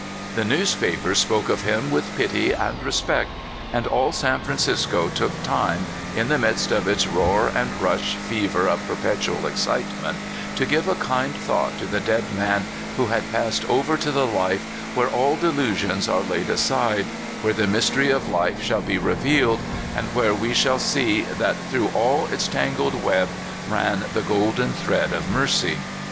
The newspapers spoke of him with pity and respect, and all San Francisco took time, in the midst of its roar and rush fever of perpetual excitement, to give a kind thought to the dead man who had passed over to the life w^here all delusions are laid aside, where the mys tery of life shall be revealed, and where we shall see that through all its tangled web ran the golden thread of mercy.